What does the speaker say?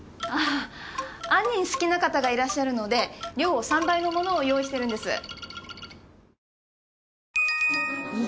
好きな方がいらっしゃるので量を３倍のものを用意してるんです。